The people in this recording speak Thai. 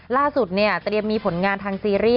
ล่าสุดเนี่ยเตรียมมีผลงานทางซีรีส